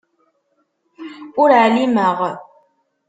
Ur εlimeɣ.